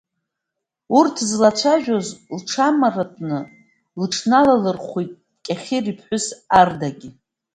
Урҭ злацәажәоз лыҽнамаратәны, лыҽналалырхәит Кьахьыр иԥҳәыс Ардагьы.